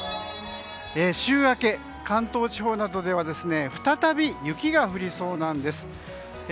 週明け、関東地方などでは再び雪が降りそうなんです。